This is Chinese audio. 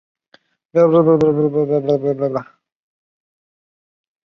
阿圭亚尔是巴西帕拉伊巴州的一个市镇。